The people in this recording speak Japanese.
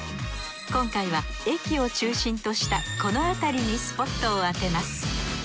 今回は駅を中心としたこの辺りにスポットを当てます。